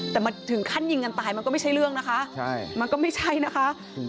แต่มันถึงขั้นยิงกันตายมันก็ไม่ใช่เรื่องนะคะใช่มันก็ไม่ใช่นะคะอืม